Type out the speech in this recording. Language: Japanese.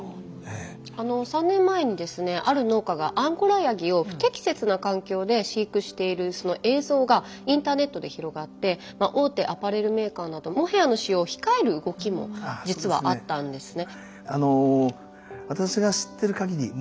あの３年前にですねある農家がアンゴラやぎを不適切な環境で飼育している映像がインターネットで広がって大手アパレルメーカーなどモヘアの使用を控える動きも実はあったんですね。